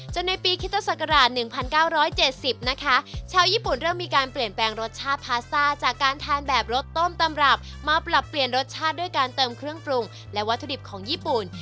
ในปีคิตศักราช๑๙๗๐นะคะชาวญี่ปุ่นเริ่มมีการเปลี่ยนแปลงรสชาติพาสต้าจากการทานแบบรสต้มตำรับมาปรับเปลี่ยนรสชาติด้วยการเติมเครื่องปรุงและวัตถุดิบของญี่ปุ่น